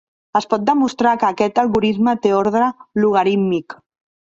Es pot demostrar que aquest algorisme té ordre logarítmic.